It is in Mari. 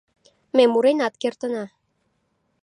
Ме муренат кертына